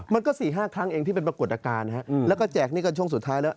มันก็๔๕ครั้งเองที่เป็นปรากฏอาการแล้วก็แจกหนี้กันช่วงสุดท้ายแล้ว